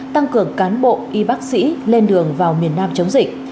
tăng cường cán bộ y bác sĩ lên đường vào miền nam chống dịch